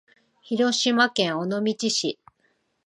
広島県尾道市